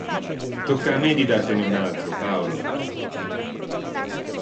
Tocca a me di dartene un altro, Paolo.